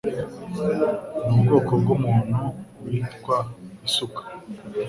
Ni ubwoko bwumuntu wita isuka.